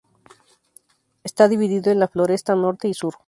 Está dividido en La Floresta Norte y Sur.